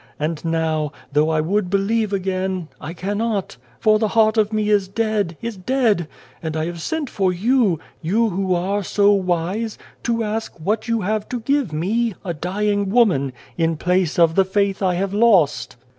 And now, though I would believe again, I cannot, for the heart of me is dead, is dead, and I have sent for you you who are 207 The Child, the Wise Man so wise to ask what you have to give me a dying woman in place of the faith I have lost?"